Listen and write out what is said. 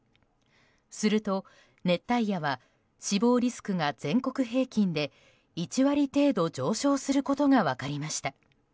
すると熱帯夜は死亡リスクが全国平均で１割程度上昇することが分かりました。